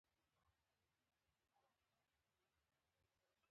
کچالو د زده کوونکو خوښ خواړه دي